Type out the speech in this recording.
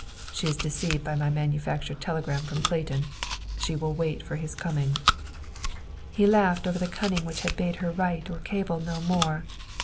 "She is deceived by my manufactured telegram from Clayton. She will wait for his coming." He laughed over the cunning which had bade her write or cable no more.